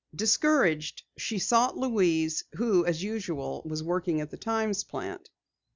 Discouraged, she sought Louise who as usual was working at the Times plant.